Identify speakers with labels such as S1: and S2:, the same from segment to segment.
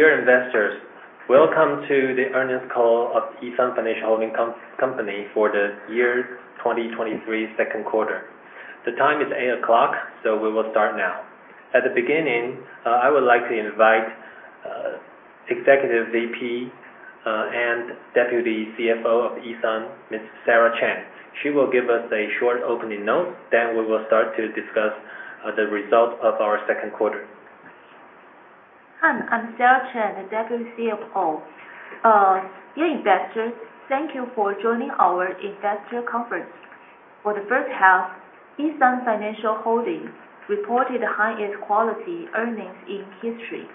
S1: Dear investors, welcome to the earnings call of E.SUN Financial Holding Company for the year 2023 second quarter. The time is 8:00 o'clock, we will start now. At the beginning, I would like to invite Executive VP, and Deputy CFO of E.SUN, Ms. Sarah Chen. She will give us a short opening note, we will start to discuss the result of our second quarter.
S2: Hi, I'm Sarah Chen, the Deputy CFO. Dear investors, thank you for joining our investor conference. For the first half, E.SUN Financial Holding Company reported highest quality earnings in history.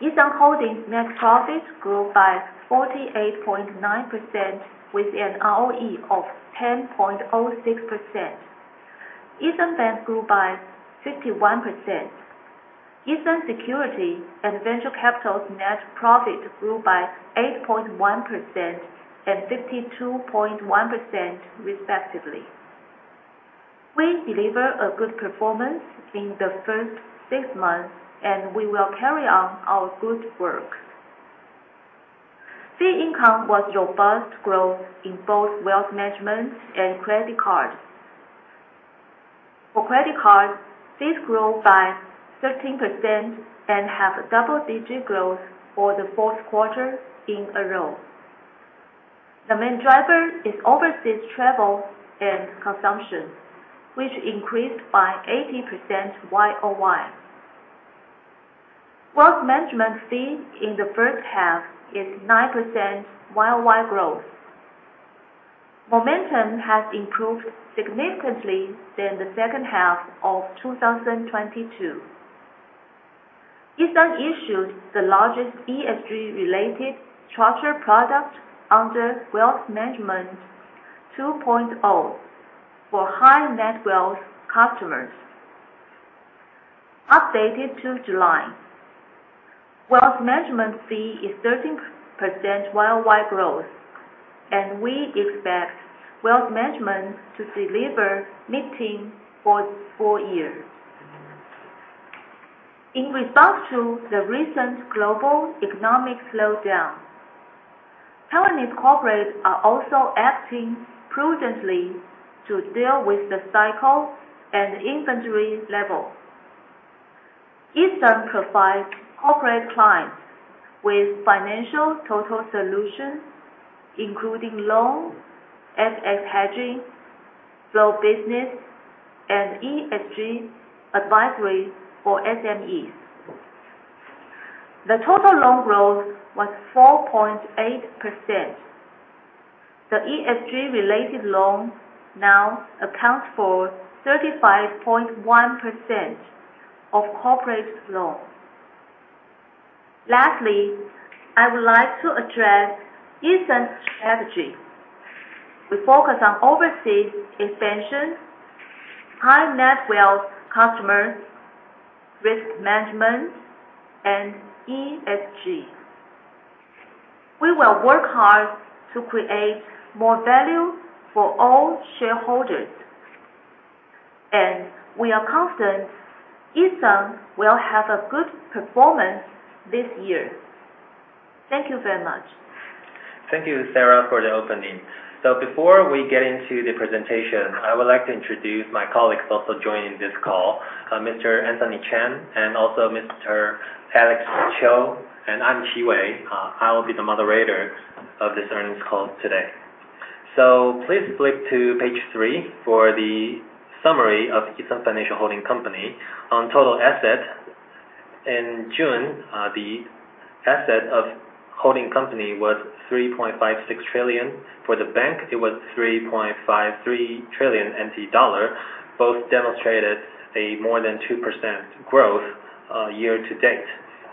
S2: E.SUN Financial Holding Company's net profits grew by 48.9% with an ROE of 10.06%. E.SUN Bank grew by 51%. E.SUN Securities and E.SUN Venture Capital's net profit grew by 8.1% and 52.1% respectively. We deliver a good performance in the first six months, we will carry on our good work. Fee income was robust growth in both wealth management and credit cards. For credit cards, fees grew by 13% and have double-digit growth for the fourth quarter in a row. The main driver is overseas travel and consumption, which increased by 80% YoY. Wealth management fee in the first half is 9% YoY growth. Momentum has improved significantly than the second half of 2022. E.SUN issued the largest ESG-related structured product under Wealth Management 2.0 for high net-wealth customers. Updated to July, wealth management fee is 13% YoY growth, we expect wealth management to deliver mid-teen for full year. In response to the recent global economic slowdown, Taiwanese corporations are also acting prudently to deal with the cycle and inventory level. E.SUN provides corporate clients with financial total solutions, including loans, FX hedging, flow business, and ESG advisory for SMEs. The total loan growth was 4.8%. The ESG-related loans now account for 35.1% of corporate loans. Lastly, I would like to address E.SUN's strategy. We focus on overseas expansion, high net-wealth customers, risk management, and ESG. We will work hard to create more value for all shareholders, we are confident E.SUN will have a good performance this year. Thank you very much.
S1: Thank you, Sarah, for the opening. Before we get into the presentation, I would like to introduce my colleagues also joining this call, Mr. Anthony Cheng and also Mr. Alex Chiu. I'm Qi Wei. I will be the moderator of this earnings call today. Please flip to page three for the summary of E.SUN Financial Holding Company. On total assets, in June, the asset of E.SUN Financial Holding Company was 3.56 trillion. For the bank, it was 3.53 trillion NT dollar, both demonstrated a more than 2% growth year-to-date.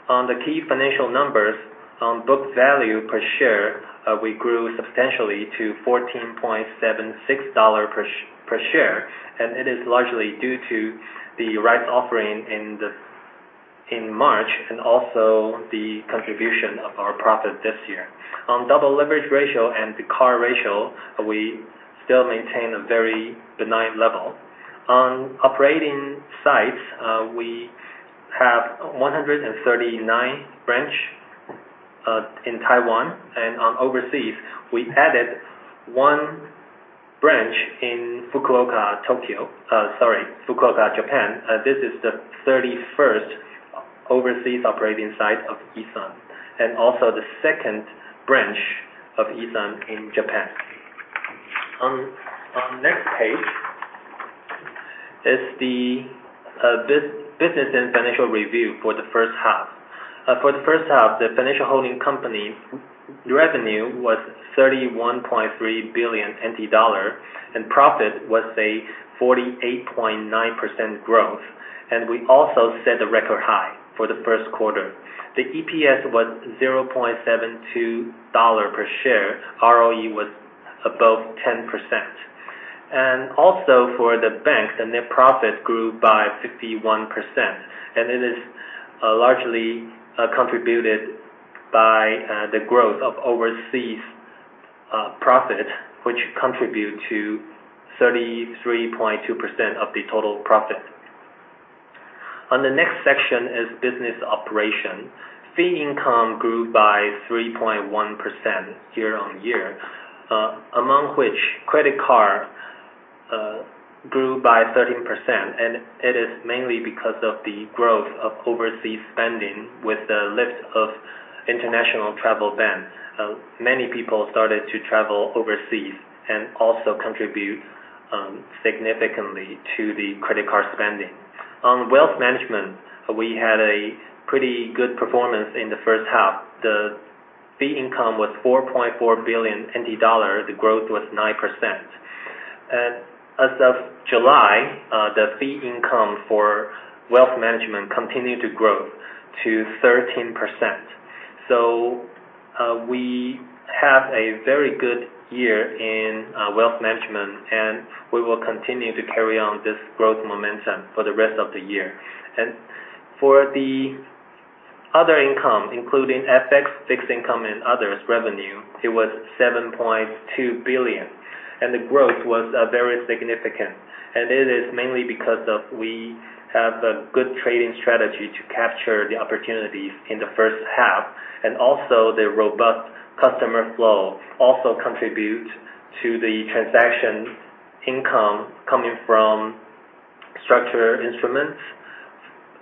S1: On the key financial numbers, on book value per share, we grew substantially to 14.76 dollar per share, it is largely due to the rights offering in March, and also the contribution of our profit this year. On double leverage ratio and the CAR ratio, we still maintain a very benign level. Operating sites, we have 139 branch in Taiwan. Overseas, we added one branch in Fukuoka, Japan. This is the 31st overseas operating site of E.SUN, and also the second branch of E.SUN in Japan. Next page is the business and financial review for the first half. For the first half, the financial holding company revenue was 31.3 billion NT dollar, and profit was a 48.9% growth. We also set a record high for the first quarter. The EPS was 0.72 per share. ROE was above 10%. Also for the banks, the net profit grew by 51%, and it is largely contributed by the growth of overseas profit, which contribute to 33.2% of the total profit. Next section is business operation. Fee income grew by 3.1% year-on-year. Among which, credit card grew by 13%, it is mainly because of the growth of overseas spending with the lift of international travel ban. Many people started to travel overseas, also contribute significantly to the credit card spending. Wealth management, we had a pretty good performance in the first half. The fee income was 4.4 billion NT dollar. The growth was 9%. As of July, the fee income for wealth management continued to grow to 13%. We have a very good year in wealth management, and we will continue to carry on this growth momentum for the rest of the year. For the other income, including FX, fixed income, and others revenue, it was 7.2 billion, the growth was very significant. It is mainly because of we have a good trading strategy to capture the opportunities in the first half, also the robust customer flow also contribute to the transaction income coming from structured instruments,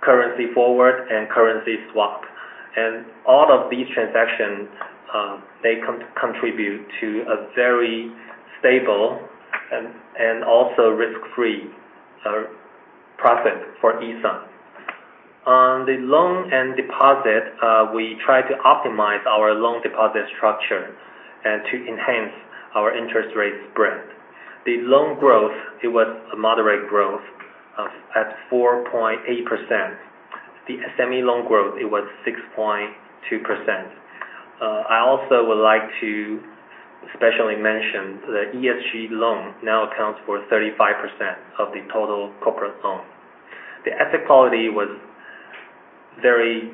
S1: currency forward, and currency swap. All of these transactions, they contribute to a very stable and also risk-free profit for E.SUN. The loan and deposit, we try to optimize our loan deposit structure and to enhance our interest rate spread. The loan growth, it was a moderate growth of 4.8%. The SME loan growth, it was 6.2%. I also would like to especially mention the ESG loan now accounts for 35% of the total corporate loan. The asset quality was very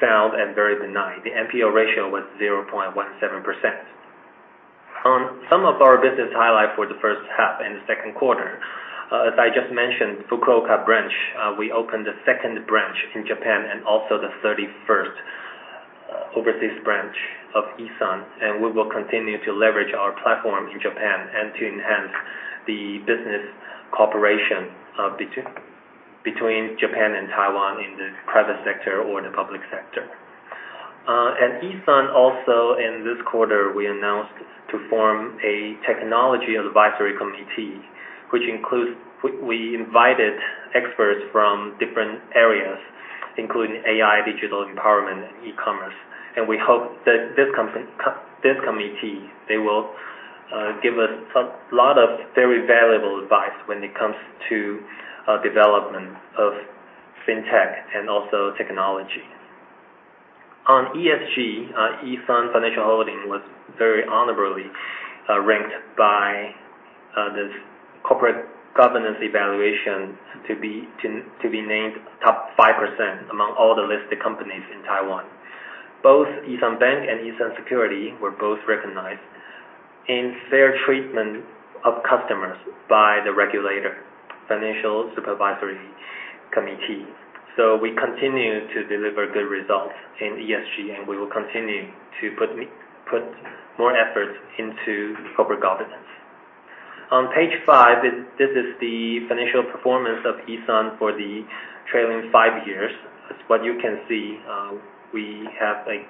S1: sound and very benign. The NPL ratio was 0.17%. Some of our business highlight for the first half and the second quarter, as I just mentioned, Fukuoka branch, we opened the second branch in Japan and also the 31st overseas branch of E.SUN, and we will continue to leverage our platform in Japan and to enhance the business cooperation between Japan and Taiwan in the private sector or the public sector. E.SUN also, in this quarter, we announced to form a technology advisory committee, we invited experts from different areas including AI, digital empowerment, and e-commerce. We hope that this committee, they will give us a lot of very valuable advice when it comes to development of fintech and also technology. ESG, E.SUN Financial Holding was very honorably ranked by this corporate governance evaluation to be named top 5% among all the listed companies in Taiwan. Both E.SUN Bank and E.SUN Securities were both recognized in fair treatment of customers by the regulator, Financial Supervisory Commission. We continue to deliver good results in ESG, and we will continue to put more effort into corporate governance. On page five, this is the financial performance of E.SUN for the trailing five years. As what you can see, we have a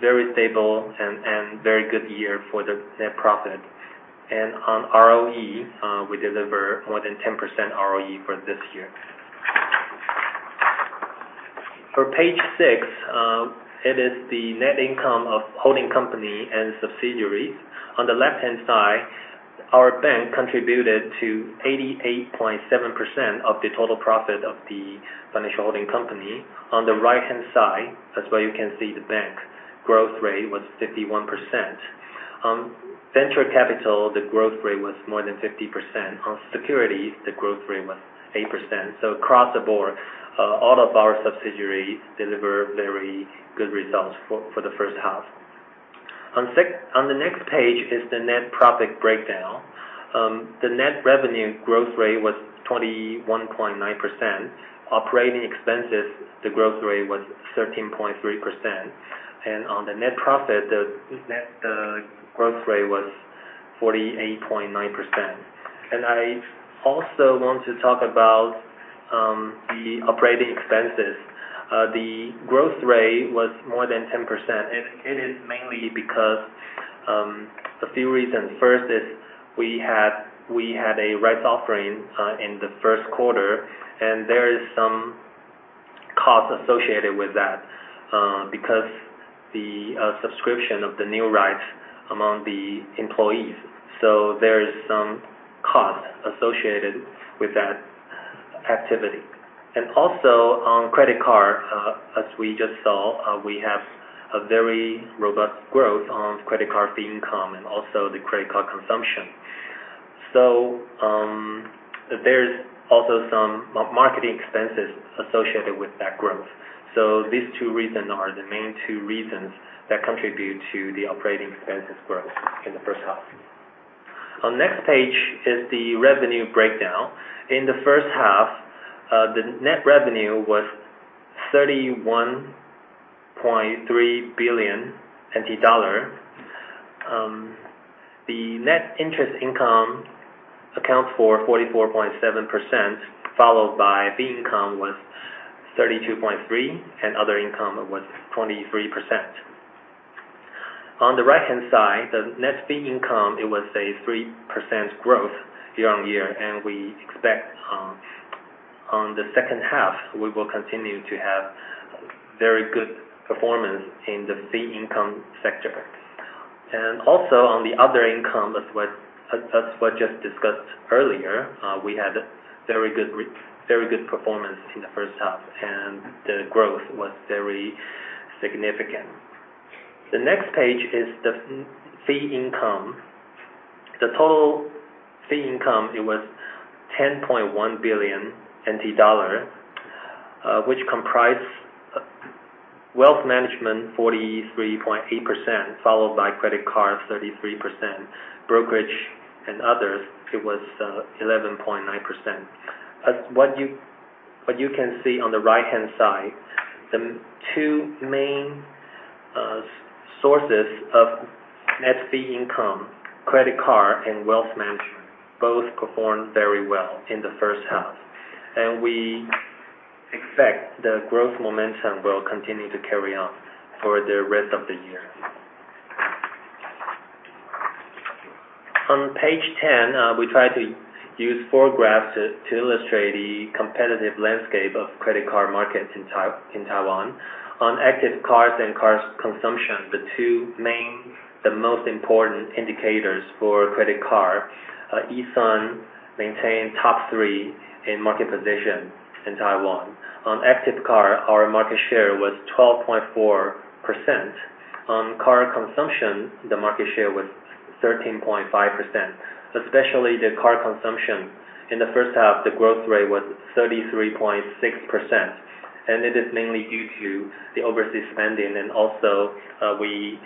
S1: very stable and very good year for the net profit. On ROE, we deliver more than 10% ROE for this year. For page six, it is the net income of holding company and subsidiaries. On the left-hand side, our bank contributed to 88.7% of the total profit of the financial holding company. On the right-hand side, as what you can see, the bank growth rate was 51%. On Venture Capital, the growth rate was more than 50%. On Securities, the growth rate was 8%. Across the board, all of our subsidiaries deliver very good results for the first half. On the next page is the net profit breakdown. The net revenue growth rate was 21.9%. Operating expenses, the growth rate was 13.3%. On the net profit, the net growth rate was 48.9%. I also want to talk about the operating expenses. The growth rate was more than 10%, and it is mainly because a few reasons. First is we had a rights offering in the first quarter, and there is some cost associated with that because the subscription of the new rights among the employees. There is some cost associated with that activity. Also on credit card, as we just saw, we have a very robust growth on credit card fee income and also the credit card consumption. There's also some marketing expenses associated with that growth. These two reasons are the main two reasons that contribute to the operating expenses growth in the first half. On next page is the revenue breakdown. In the first half, the net revenue was 31.3 billion NT dollar. The net interest income accounts for 44.7%, followed by fee income was 32.3%, and other income was 23%. On the right-hand side, the net fee income, it was a 3% growth year-on-year, and we expect on the second half, we will continue to have very good performance in the fee income sector. Also on the other income, as was just discussed earlier, we had very good performance in the first half, and the growth was very significant. The next page is the fee income. The total fee income, it was 10.1 billion NT dollar, which comprise wealth management, 43.8%, followed by credit card, 33%. Brokerage and others, it was 11.9%. As what you can see on the right-hand side, the two main sources of net fee income, credit card and wealth management, both performed very well in the first half. We expect the growth momentum will continue to carry on for the rest of the year. On page 10, we try to use four graphs to illustrate the competitive landscape of credit card markets in Taiwan. On active cards and cards consumption, the two most important indicators for credit card, E.SUN maintain top three in market position in Taiwan. On active card, our market share was 12.4%. On card consumption, the market share was 13.5%, especially the card consumption in the first half, the growth rate was 33.6%, and it is mainly due to the overseas spending, and also, we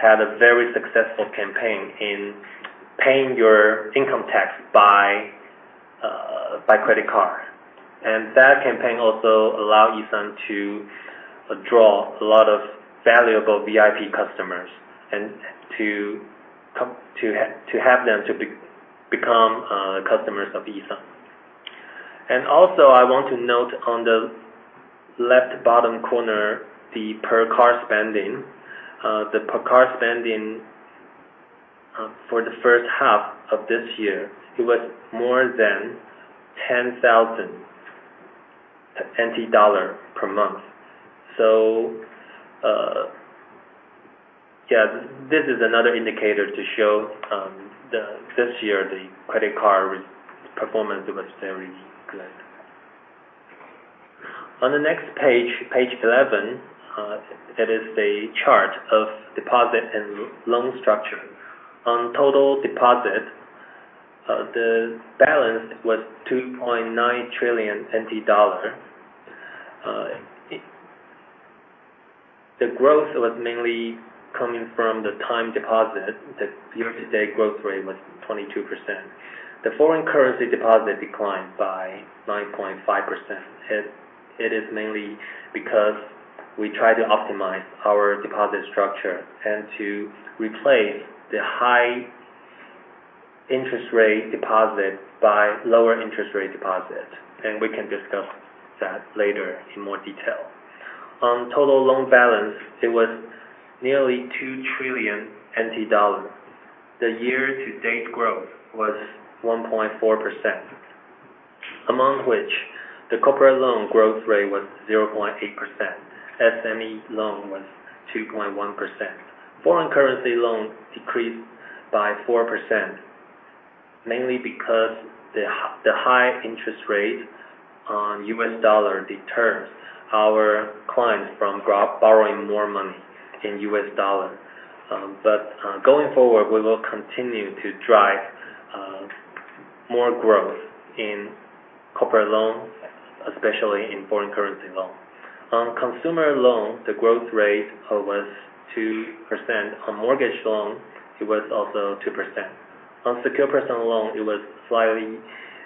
S1: had a very successful campaign in paying your income tax by credit card. That campaign also allow E.SUN to draw a lot of valuable VIP customers, and to have them to become customers of E.SUN. Also, I want to note on the left bottom corner, the per card spending. The per card spending for the first half of this year, it was more than 10,000 NT dollar per month. This is another indicator to show this year the credit card performance was very good. On the next page 11, it is a chart of deposit and loan structure. On total deposit, the balance was 2.9 trillion NT dollar. The growth was mainly coming from the time deposit. The year-to-date growth rate was 22%. The foreign currency deposit declined by 9.5%. It is mainly because we try to optimize our deposit structure and to replace the high interest rate deposit by lower interest rate deposit, and we can discuss that later in more detail. On total loan balance, it was nearly 2 trillion NT dollars. The year-to-date growth was 1.4%, among which the corporate loan growth rate was 0.8%. SME loan was 2.1%. Foreign currency loan decreased by 4%, mainly because the high interest rate on US dollar deters our clients from borrowing more money in US dollar. Going forward, we will continue to drive more growth in corporate loans, especially in foreign currency loans. On consumer loan, the growth rate was 2%. On mortgage loan, it was also 2%. On secured personal loan, it was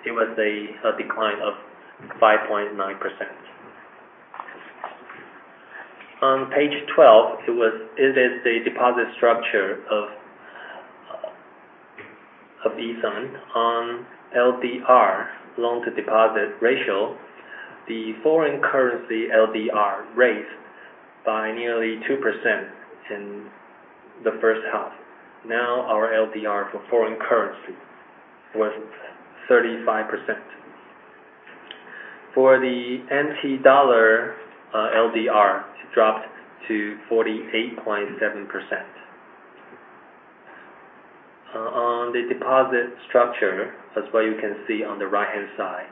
S1: a decline of 5.9%. On page 12, it is the deposit structure of E.SUN. On LDR, loan-to-deposit ratio, the foreign currency LDR raised by nearly 2% in the first half. Our LDR for foreign currency was 35%. For the TWD LDR, it dropped to 48.7%. On the deposit structure, that's what you can see on the right-hand side.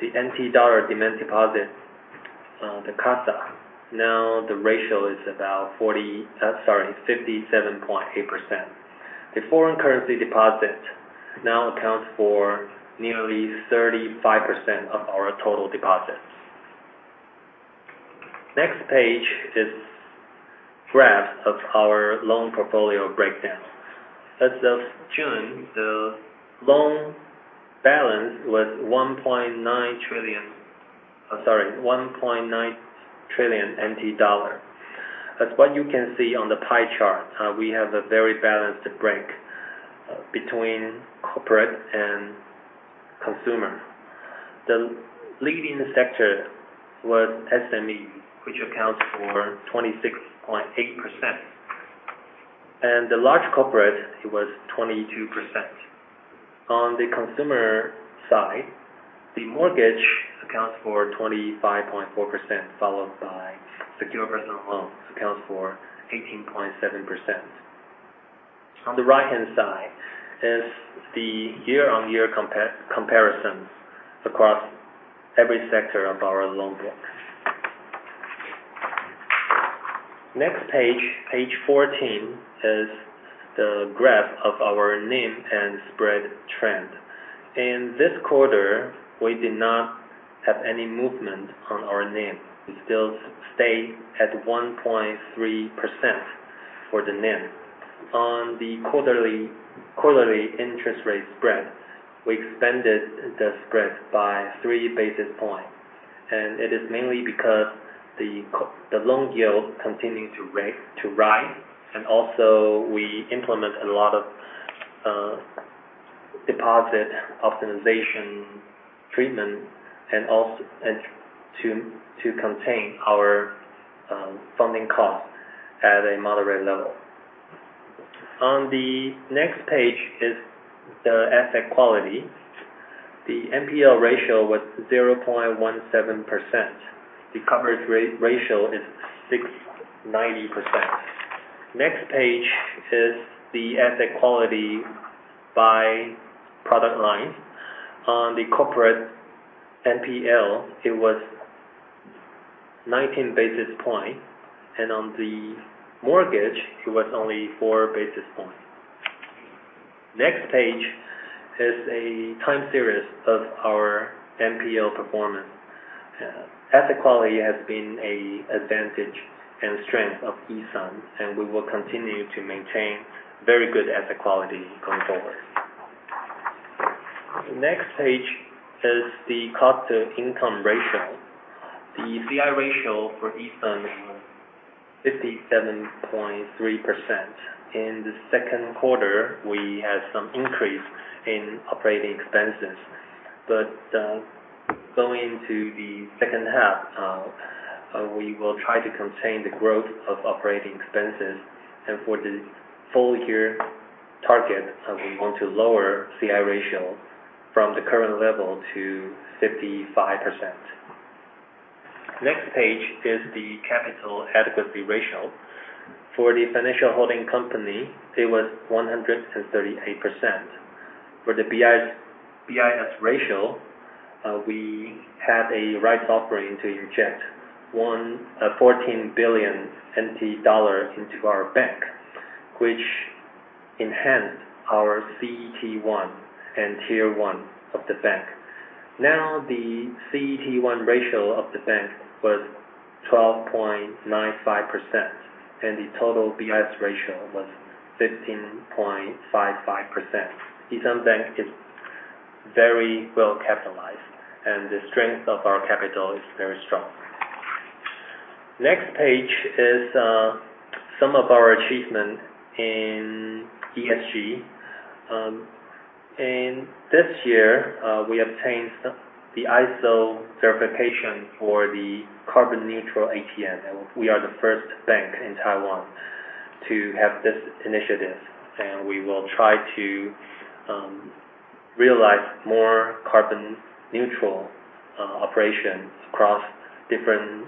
S1: The TWD demand deposit The CASA. The ratio is about 57.8%. The foreign currency deposit now accounts for nearly 35% of our total deposits. Next page is graphs of our loan portfolio breakdown. As of June, the loan balance was 1.9 trillion. As what you can see on the pie chart, we have a very balanced break between corporate and consumer. The leading sector was SME, which accounts for 26.8%, and the large corporate, it was 22%. On the consumer side, the mortgage accounts for 25.4%, followed by secured personal loans, accounts for 18.7%. On the right-hand side is the year-over-year comparisons across every sector of our loan book. Next page 14, is the graph of our NIM and spread trend. In this quarter, we did not have any movement on our NIM. We still stay at 1.3% for the NIM. On the quarterly interest rate spread, we expanded the spread by three basis points, and it is mainly because the loan yield continuing to rise, and also we implement a lot of deposit optimization treatment to contain our funding cost at a moderate level. On the next page is the asset quality. The NPL ratio was 0.17%. The coverage ratio is 690%. Next page is the asset quality by product line. On the corporate NPL, it was 19 basis points, and on the mortgage, it was only four basis points. Next page is a time series of our NPL performance. Asset quality has been an advantage and strength of E.SUN, we will continue to maintain very good asset quality going forward. The next page is the Cost-to-Income Ratio. The CI ratio for E.SUN was 57.3%. In the second quarter, we had some increase in operating expenses. Going into the second half, we will try to contain the growth of operating expenses, and for the full year target, we want to lower CI ratio from the current level to 55%. Next page is the capital adequacy ratio. For the financial holding company, it was 138%. For the BIS ratio, we had a rights offering to inject 14 billion NT dollar into our bank, which enhanced our CET1 and Tier 1 of the bank. Now, the CET1 ratio of the bank was 12.95%, and the total BIS ratio was 15.55%. E.SUN Bank is very well capitalized, the strength of our capital is very strong. Next page is some of our achievement in ESG. In this year, we obtained the ISO certification for the carbon neutral ATM, we are the first bank in Taiwan to have this initiative, we will try to realize more carbon neutral operations across different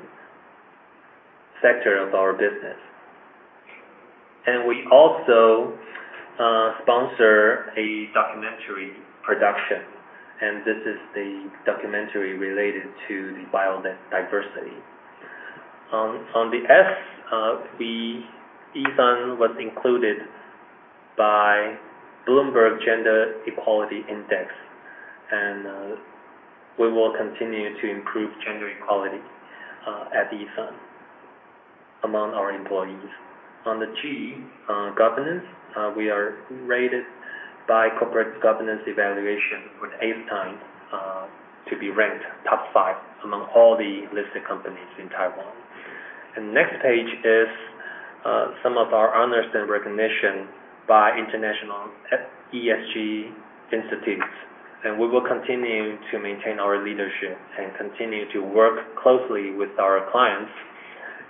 S1: sectors of our business. We also sponsor a documentary production, this is the documentary related to the biodiversity. On the S, E.SUN was included by Bloomberg Gender-Equality Index, and we will continue to improve gender equality at E.SUN among our employees. On the G, governance, we are rated by corporate governance evaluation for the eighth time to be ranked top five among all the listed companies in Taiwan. The next page is some of our honors and recognition by international ESG institutes, we will continue to maintain our leadership, continue to work closely with our clients,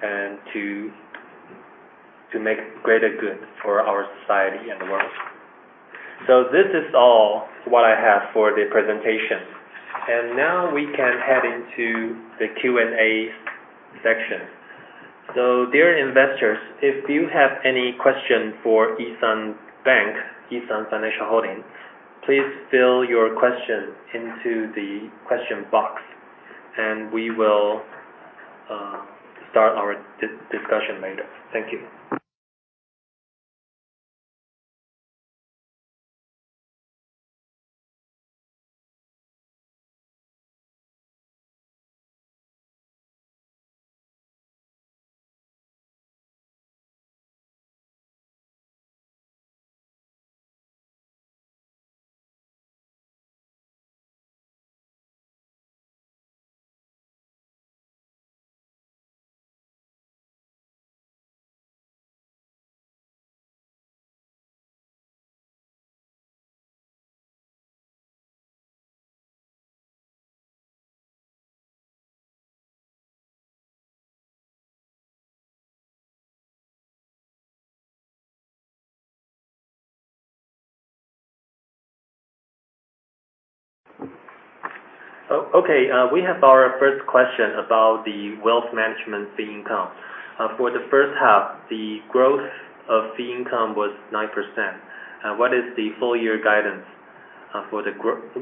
S1: and to make greater good for our society and the world. This is all what I have for the presentation. Now we can head into the Q&A section. Dear investors, if you have any question for E.SUN Bank, E.SUN Financial Holding, please fill your question into the question box, and we will start our discussion later. Thank you. Okay. We have our first question about the wealth management fee income. For the first half, the growth of fee income was 9%. What is the full year guidance for the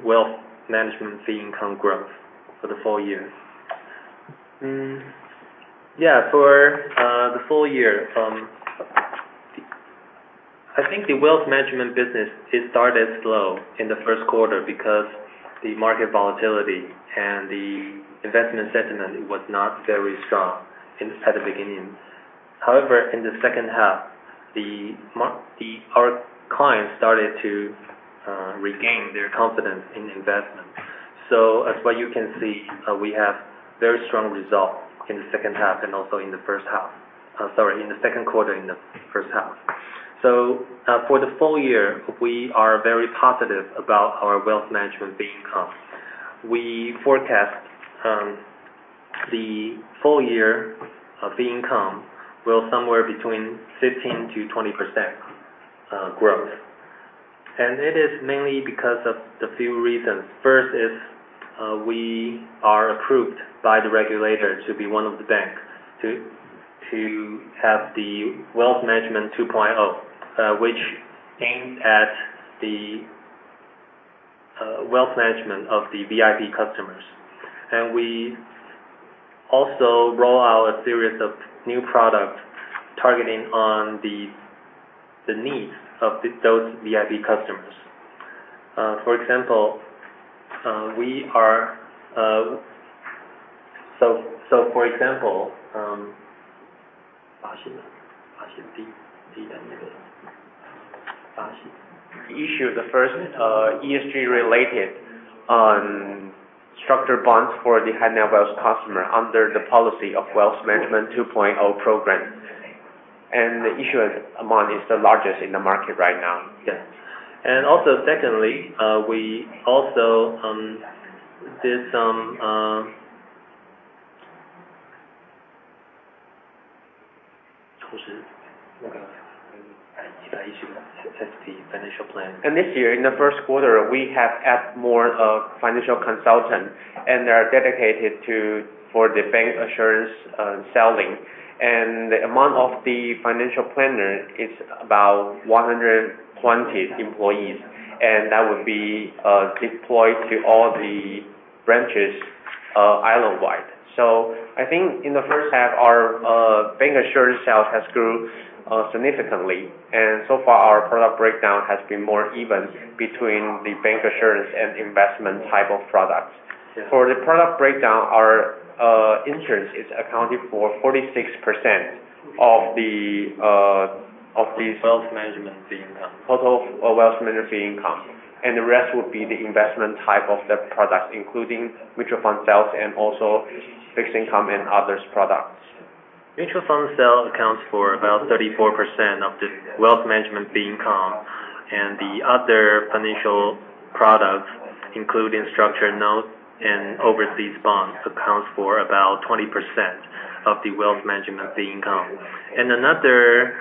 S1: wealth management fee income growth for the full year? Yeah. For the full year, I think the wealth management business, it started slow in the first quarter because the market volatility and the investment sentiment was not very strong at the beginning. However, in the second half, our clients started to regain their confidence in investment. As you can see, we have very strong result in the second half and also in the first half Sorry, in the second quarter in the first half. For the full year, we are very positive about our wealth management fee income. We forecast the full year of fee income will somewhere between 15%-20% growth. It is mainly because of a few reasons. First is, we are approved by the regulator to be one of the banks to have the Wealth Management 2.0, which aims at the wealth management of the VIP customers. We also roll out a series of new products targeting on the needs of those VIP customers. For example, issued the first ESG related structured bonds for the high-net-worth customers under the policy of Wealth Management 2.0 program, and the issued amount is the largest in the market right now. Yes. Secondly, we also did some financial planning. This year, in the first quarter, we have added more financial consultants, and they are dedicated for the bank assurance selling. The amount of the financial planner is about 120 employees, and that would be deployed to all the branches island-wide. I think in the first half, our bank assurance sales has grown significantly, and so far our product breakdown has been more even between the bank assurance and investment type of products. For the product breakdown, our insurance is accounted for 46% of the wealth management fee income. Total wealth management fee income. The rest would be the investment type of the products, including mutual fund sales and also fixed income and others products. Mutual fund sales accounts for about 34% of the wealth management fee income. The other financial products, including structured notes and overseas bonds, account for about 20% of the wealth management fee income. Another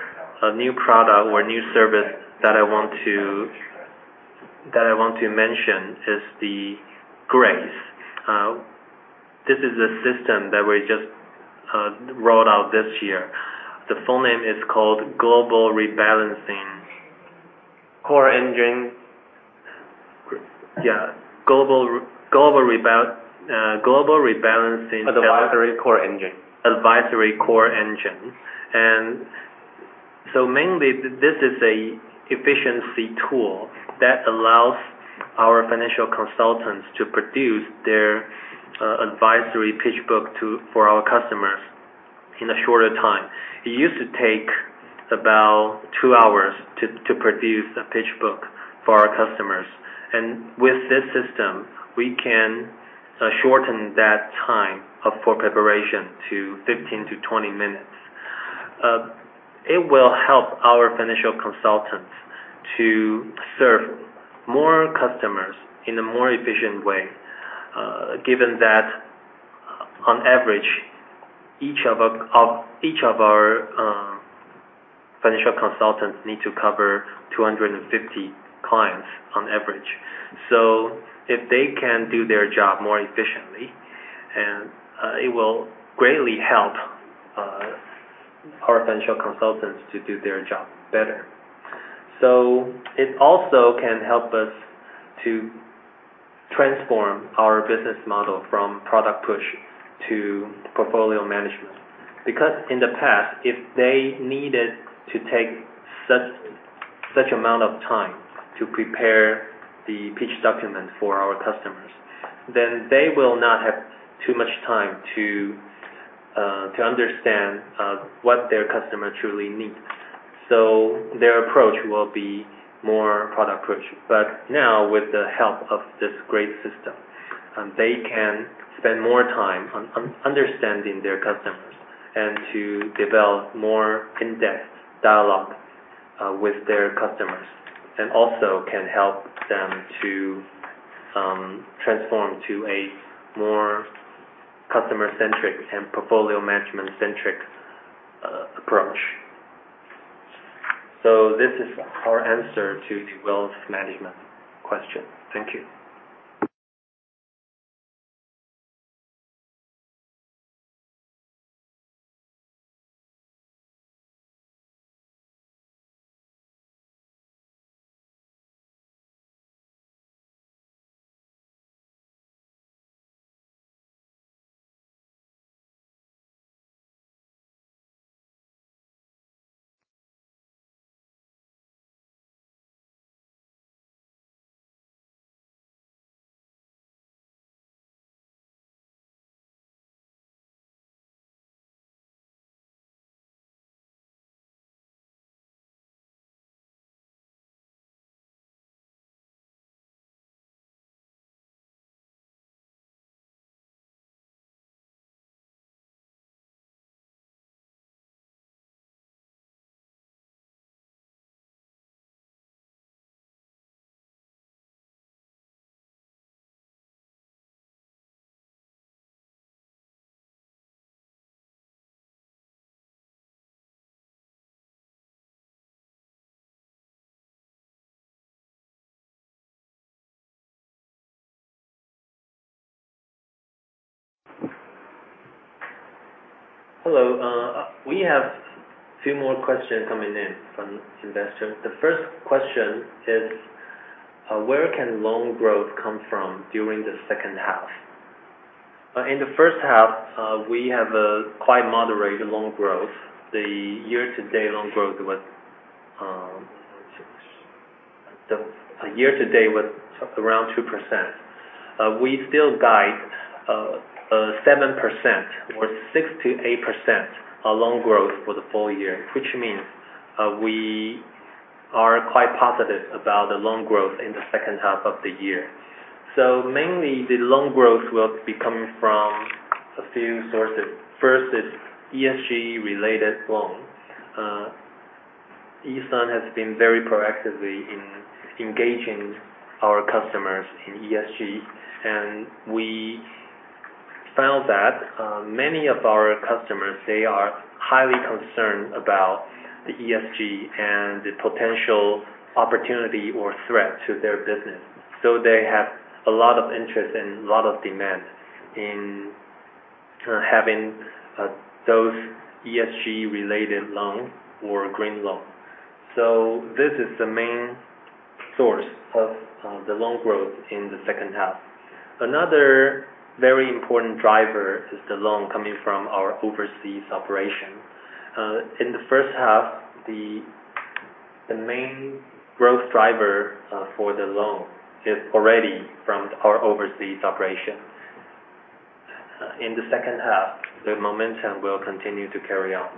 S1: new product or new service that I want to mention is the Grace. This is a system that we just rolled out this year. The full name is called Global Rebalancing Advisory Core Engine. Global Rebalancing Advisory Core Engine. Advisory Core Engine. Mainly, this is an efficient tool that allows our financial consultants to produce their advisory pitch book for our customers in a shorter time. It used to take about two hours to produce a pitch book for our customers. With this system, we can shorten that time for preparation to 15 to 20 minutes. It will help our financial consultants to serve more customers in a more efficient way, given that on average, each of our financial consultants need to cover 250 clients on average. If they can do their job more efficiently, it will greatly help our financial consultants to do their job better. It also can help us to transform our business model from product push to portfolio management. Because in the past, if they needed to take such amount of time to prepare the pitch document for our customers, then they will not have too much time to understand what their customer truly needs. Their approach will be more product push. Now, with the help of this Grace system, they can spend more time on understanding their customers and to develop more in-depth dialogue with their customers, and also can help them to transform to a more customer-centric and portfolio management-centric approach. This is our answer to the wealth management question. Thank you. Hello. We have a few more questions coming in from investors. The first question is: Where can loan growth come from during the second half? In the first half, we have a quite moderate loan growth. The year-to-date loan growth was around 2%. We still guide 7% or 6%-8% loan growth for the full year, which means we are quite positive about the loan growth in the second half of the year. Mainly, the loan growth will be coming from a few sources. First is ESG related loans. E.SUN has been very proactively engaging our customers in ESG, we found that many of our customers, they are highly concerned about the ESG and the potential opportunity or threat to their business. They have a lot of interest and a lot of demand in having those ESG related loans or green loans. This is the main source of the loan growth in the second half. Another very important driver is the loan coming from our overseas operation. In the first half, the main growth driver for the loan is already from our overseas operation. In the second half, the momentum will continue to carry on.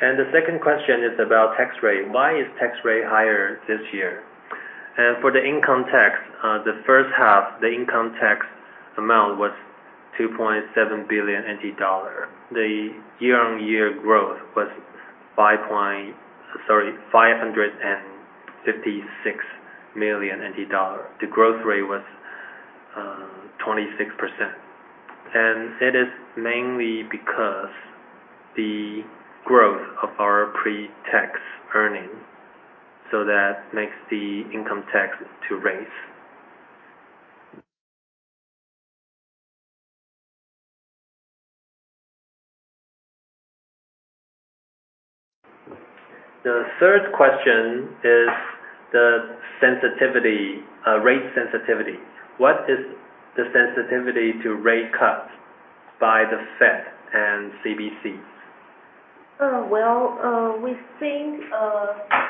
S1: The second question is about tax rate. Why is tax rate higher this year? For the income tax, the first half, the income tax amount was 2.7 billion NT dollar. The year-on-year growth was 556 million NT dollar. The growth rate was 26%. It is mainly because the growth of our pre-tax earning. That makes the income tax to raise. The third question is the rate sensitivity. What is the sensitivity to rate cut by the Fed and CBC?
S2: Well, we think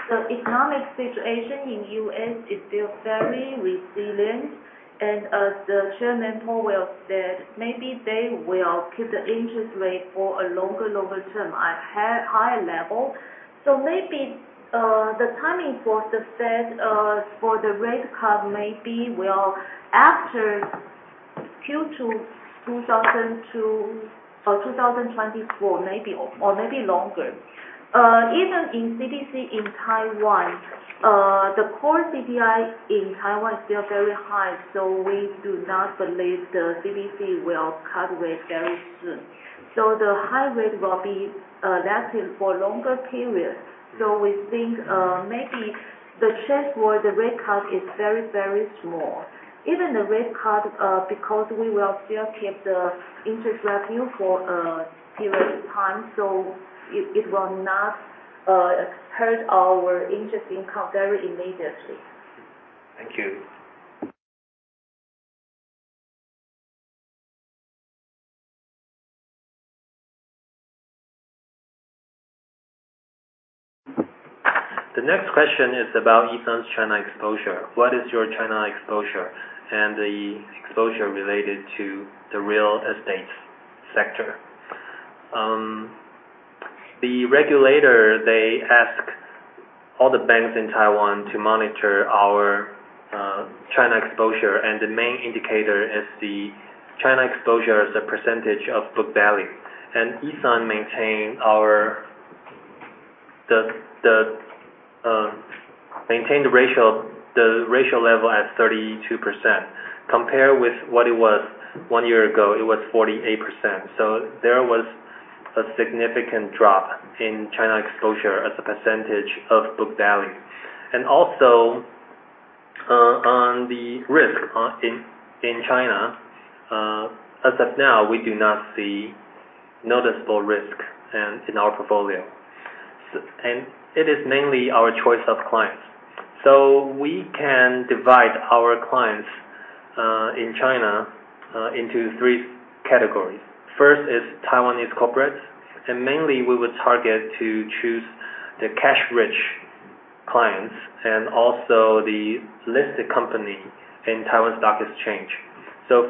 S2: the economic situation in the U.S. is still very resilient, and as Chairman Powell said, maybe they will keep the interest rate for a longer term at higher levels. Maybe the timing for the Fed for the rate cut maybe will be after Q2 2024, or maybe longer. Even in CBC in Taiwan, the core CPI in Taiwan is still very high, we do not believe the CBC will cut rates very soon. The high rate will last for a longer period. We think maybe the chance for the rate cut is very small. Even the rate cut, because we will still keep the interest rate for a period of time, so it will not hurt our interest income very immediately.
S1: Thank you. The next question is about E.SUN's China exposure. What is your China exposure and the exposure related to the real estate sector? The regulator, they ask all the banks in Taiwan to monitor our China exposure, the main indicator is the China exposure as a percentage of book value. E.SUN maintain the ratio level at 32%, compared with what it was one year ago, it was 48%. There was a significant drop in China exposure as a percentage of book value. Also, on the risk in China, as of now, we do not see noticeable risk in our portfolio. It is mainly our choice of clients. We can divide our clients in China into 3 categories. First is Taiwanese corporates, and mainly we would target to choose the cash-rich clients, and also the listed company in Taiwan Stock Exchange.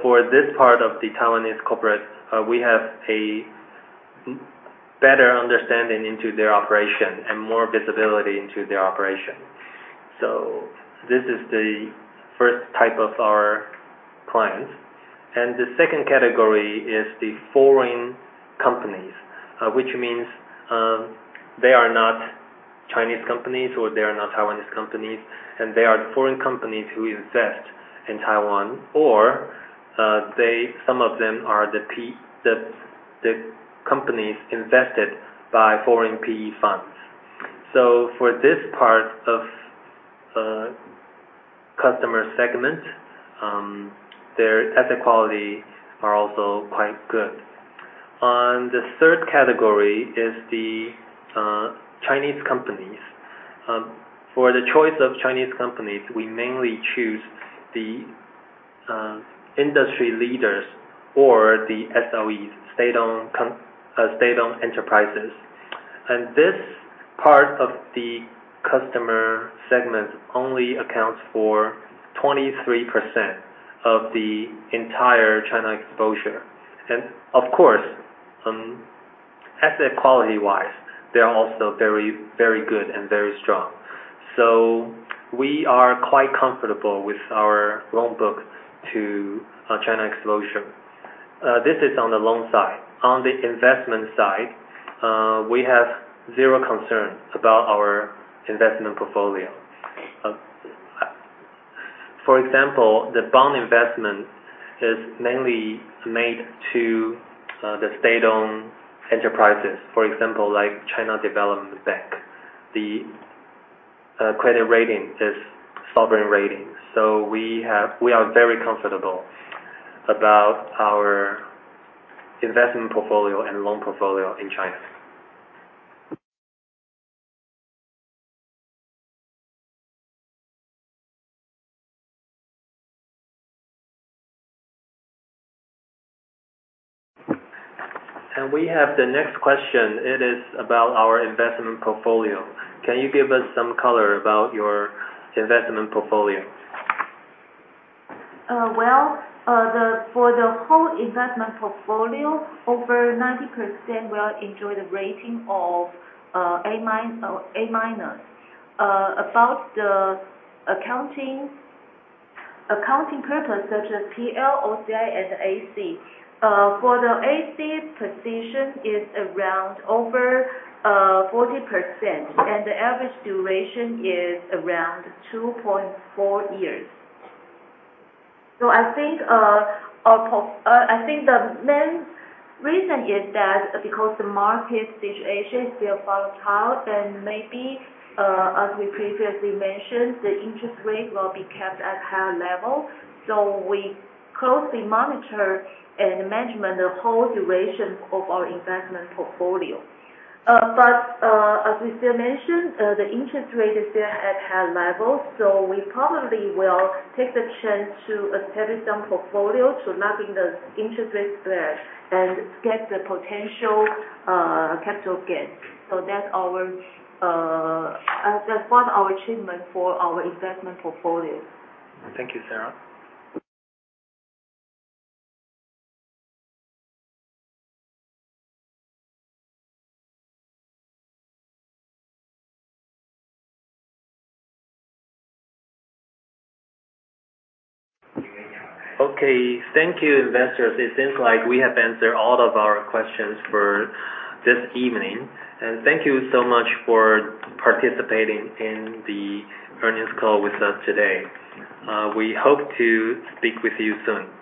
S1: For this part of the Taiwanese corporate, we have a better understanding into their operation and more visibility into their operation. This is the type 1 of our clients. The category 2 is the foreign companies, which means they are not Chinese companies, or they are not Taiwanese companies, and they are the foreign companies who invest in Taiwan, or some of them are the companies invested by foreign PE funds. For this part of customer segment, their asset quality are also quite good. The category 3 is the Chinese companies. For the choice of Chinese companies, we mainly choose the industry leaders or the SOEs, state-owned enterprises. This part of the customer segment only accounts for 23% of the entire China exposure. Of course, asset quality-wise, they are also very good and very strong. We are quite comfortable with our loan book to China exposure. This is on the loan side. On the investment side, we have zero concerns about our investment portfolio. For example, the bond investment is mainly made to the state-owned enterprises, for example, like China Development Bank. The credit rating is sovereign rating. We are very comfortable about our investment portfolio and loan portfolio in China. We have the next question. It is about our investment portfolio. Can you give us some color about your investment portfolio?
S2: Well, for the whole investment portfolio, over 90% will enjoy the rating of A minus. About the accounting purpose, such as P&L, OCI, and AC. For the AC position, it is around over 40%, and the average duration is around 2.4 years. I think the main reason is that because the market situation is still volatile, maybe, as we previously mentioned, the interest rate will be kept at a higher level. We closely monitor and manage the whole duration of our investment portfolio. As we mentioned, the interest rate is still at high levels, we probably will take the chance to establish some portfolio, locking the interest rate there and get the potential capital gain. That is one of our achievements for our investment portfolio.
S1: Thank you, Sara. Okay, thank you, investors. It seems like we have answered all of our questions for this evening, thank you so much for participating in the earnings call with us today. We hope to speak with you soon. Bye-bye